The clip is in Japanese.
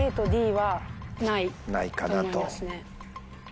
ないかなと。